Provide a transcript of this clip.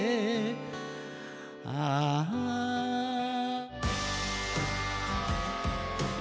「ああ」